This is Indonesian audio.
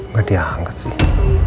gak dianggap sih